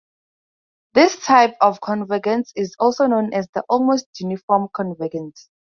This type of convergence is also called "almost uniform convergence".